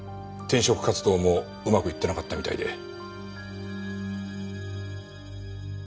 転職活動もうまくいってなかったみたいで。